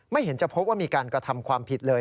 เห็นจะพบว่ามีการกระทำความผิดเลย